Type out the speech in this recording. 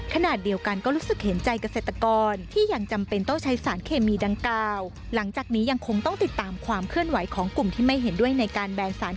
ขนาดเดียวกันก็รู้สึกเห็นใจเกษตรกร